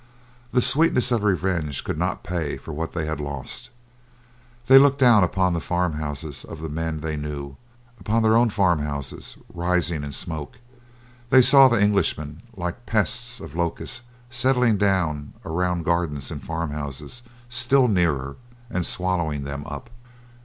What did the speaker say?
The sweetness of revenge could not pay for what they had lost. They looked down upon the farm houses of men they knew; upon their own farm houses rising in smoke; they saw the Englishmen like a pest of locusts settling down around gardens and farm houses still nearer, and swallowing them up.